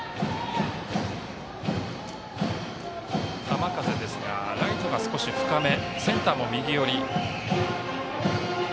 浜風ですが、ライトが少し深めセンターも右寄り。